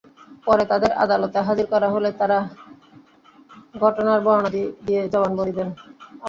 পরে তাঁদের আদালতে হাজির করা হলে তাঁরা ঘটনার বর্ণনা দিয়ে জবানবন্দি দেন।